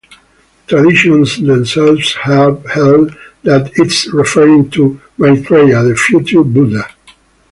The traditions themselves have held that it is referring to Maitreya, the future buddha.